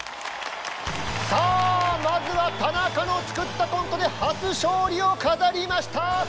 さあまずは田中の作ったコントで初勝利を飾りました！